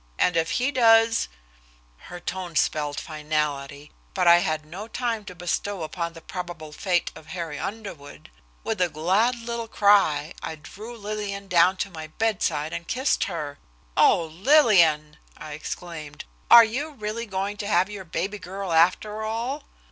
And if he does " Her tone spelled finality but I had no time to bestow upon the probable fate of Harry Underwood. With a glad little cry, I drew Lillian down to my bedside and kissed her. "Oh! Lillian!" I exclaimed, "are you really going to have your baby girl after all?"